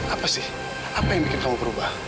apa sih apa yang bikin kamu berubah